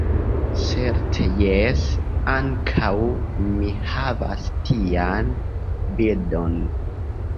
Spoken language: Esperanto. Certe jes, ankaŭ mi havas tian bildon.